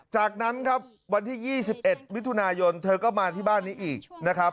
จากนั้นครับวันที่๒๑มิถุนายนเธอก็มาที่บ้านนี้อีกนะครับ